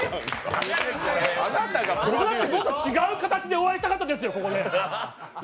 もうちょっと違う形でお会いしたかったですよ。